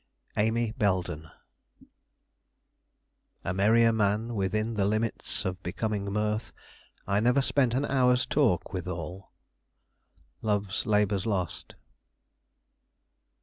AMY BELDEN "A merrier man Within the limits of becoming mirth, I never spent an hour's talk withal." Love's Labour's Lost.